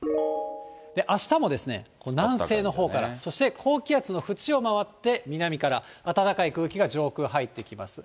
あしたも南西のほうから、そして、高気圧の縁を回って、南から暖かい空気が上空入ってきます。